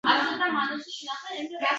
Mabodo qoshingga kelib bosh ursa